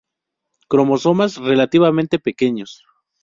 Cromosomas relativamente 'pequeños'.